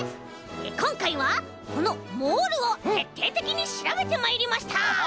こんかいはこのモールをてっていてきにしらべてまいりました！